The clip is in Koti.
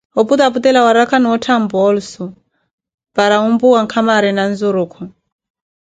oputaputela warakha na ottha mpoolusu, para wumpuwa nkama ariina nzurukhu.